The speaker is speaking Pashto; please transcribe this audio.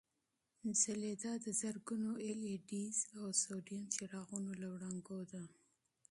ځلېدا د زرګونو اېل ای ډیز او سوډیم څراغونو له وړانګو ده.